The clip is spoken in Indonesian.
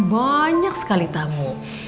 banyak sekali tamu